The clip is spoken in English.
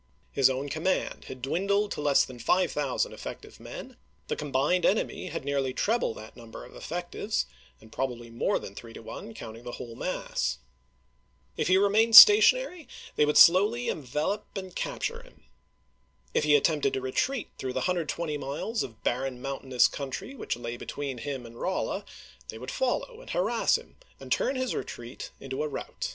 His own command had dwindled to less than five thousand effective men ; the combined enemy had nearly treble that number of effectives, and probably more than three to one, counting the whole mass. If he remained stationary, they would 410 ABEAHAM LINCOLN ch. XXIII. slowly envelop and capture him. If lie attempted to retreat through the 120 miles of barren mountain ous country which lay between him and Rolla, they would follow and harass him and turn his retreat into a rout.